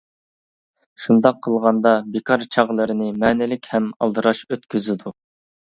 شۇنداق قىلغاندا بىكار چاغلىرىنى مەنىلىك ھەم ئالدىراش ئۆتكۈزىدۇ.